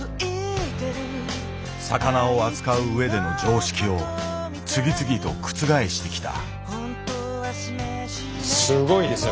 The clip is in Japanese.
魚を扱う上での常識を次々と覆してきた。